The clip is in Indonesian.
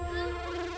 bu tenang bu